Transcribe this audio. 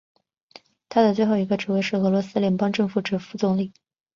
他的最后一个职位是俄罗斯联邦政府副总理。